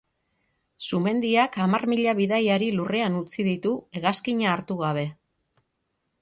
Sumendiak hamar mila bidaiari lurrean utzi ditu hegazkina hartu gabe.